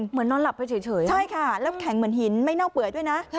นอนหลับไปเฉยใช่ค่ะแล้วแข็งเหมือนหินไม่เน่าเปื่อยด้วยนะ